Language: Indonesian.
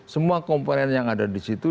semua komponen yang ada di situ